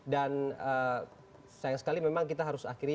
dan sayang sekali memang kita harus akhirnya